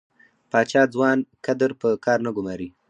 پاچا ځوان کدر په کار نه ګماري .